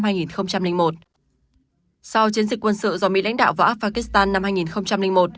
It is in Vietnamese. sau chiến dịch quân sự do mỹ lãnh đạo vào afghanistan năm hai nghìn một